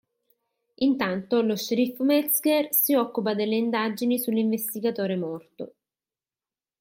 Intanto lo sceriffo Metzger si occupa delle indagini sull'investigatore morto.